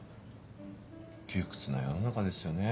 窮屈な世の中ですよね。